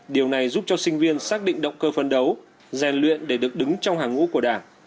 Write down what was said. điều này giúp cho sinh viên xác định động cơ phân đấu rèn luyện để được đứng trong hàng ngũ của đảng